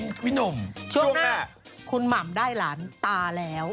ช่วงหน้าคุณหม่ำได้ร้านตาแล้ว